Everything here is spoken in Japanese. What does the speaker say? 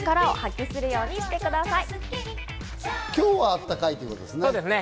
今日はあったかいということですね。